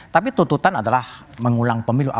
tapi tuntutan adalah mengulang pemilu